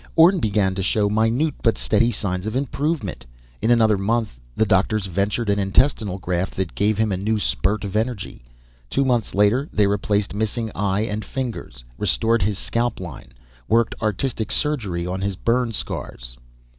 Orne began to show minute but steady signs of improvement. In another month, the doctors ventured an intestinal graft that gave him a new spurt of energy. Two months later, they replaced missing eye and fingers, restored his scalp line, worked artistic surgery on his burn scars.